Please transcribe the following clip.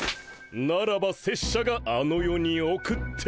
ならば拙者があの世に送って。